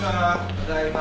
ただいま。